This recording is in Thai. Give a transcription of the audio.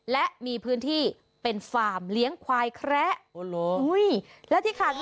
และมีพื้นที่เป็นฟาร์มเลี้ยงควายแคระ